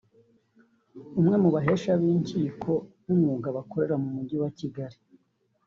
umwe mu bahesha b’inkiko b’umwuga bakorera mu Mujyi wa Kigali